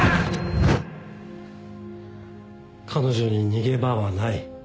彼女に逃げ場はない。